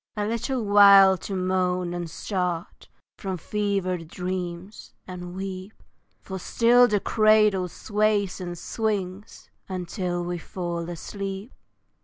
A little while to moan, and start From fevered dreams, and weep, For still the cradle sways and swings Until we fall asleep.